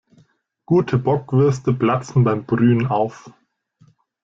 Gute Bockwürste platzen beim Brühen auf.